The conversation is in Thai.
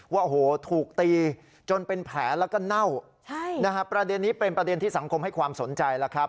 ว่าโอ้โหถูกตีจนเป็นแผลแล้วก็เน่าใช่นะฮะประเด็นนี้เป็นประเด็นที่สังคมให้ความสนใจแล้วครับ